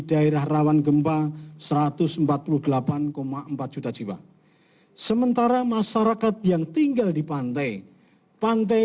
daerah rawan gempa satu ratus empat puluh delapan empat juta jiwa sementara masyarakat yang tinggal di pantai pantai